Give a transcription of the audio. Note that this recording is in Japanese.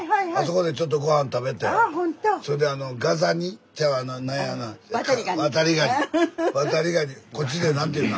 こっちで何て言うの？